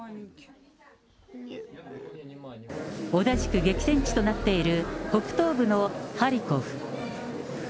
同じく激戦地となっている北東部のハリコフ。